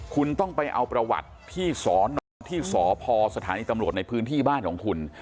คุณต้องไปเอาประวัติที่สอนอที่สพสถานีตำรวจในพื้นที่บ้านของคุณ